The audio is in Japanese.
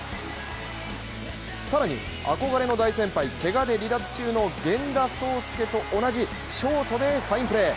更に憧れの大先輩、けがで離脱中の源田壮亮と同じショートでファインプレー。